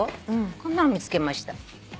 こんなの見つけました。